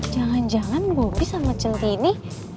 jangan jangan hobi sama centini